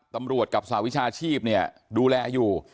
ตำรวจกับสหวิชาชีพเนี่ยดูแลอยู่